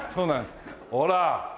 ほら。